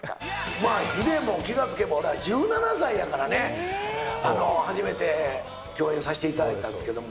まあヒデも気がつけば、１７歳やからね、初めて共演させていただいたんですけれども。